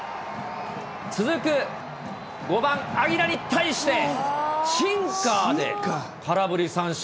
続く５番に対して、シンカーで空振り三振。